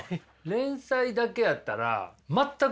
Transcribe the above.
連載だけやったら全くですか？